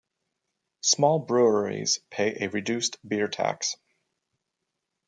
Small breweries pay a reduced beer tax.